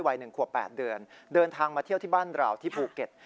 วัย๑ขวบ๘เดือนเดินทางมาเที่ยวที่บ้านเราที่ภูเก็ต